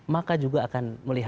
maka juga akan melihat